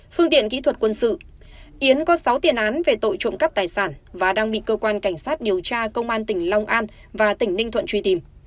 phương tiện kỹ thuật quân sự yến có sáu tiền án về tội trộm cắp tài sản và đang bị cơ quan cảnh sát điều tra công an tỉnh long an và tỉnh ninh thuận truy tìm